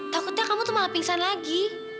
takutnya kamu tuh malah pingsan lagi